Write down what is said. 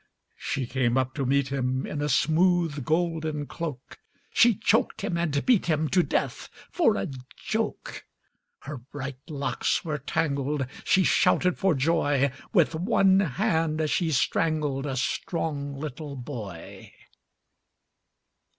She came up to meet him In a smooth golden cloak, She choked him and beat him To death, for a joke. Her bright locks were tangled, She shouted for joy, With one hand she strangled A strong little boy.